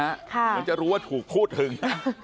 เหมือนจะรู้ว่าถูกพูดถึง